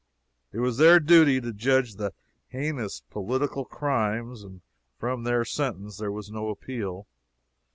It was their duty to judge heinous political crimes, and from their sentence there was no appeal.